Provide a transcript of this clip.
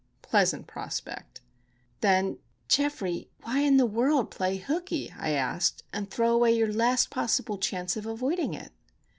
Pleasant prospect!" "Then, Geoffrey, why in the world play hookey," I asked, "and throw away your last possible chance of avoiding it?"